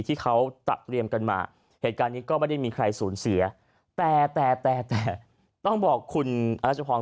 ภาพที่เห็นนี่มันเป็นการซ้อม